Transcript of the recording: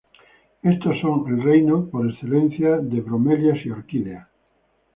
Estos son el reino por excelencia de bromelias y orquídeas.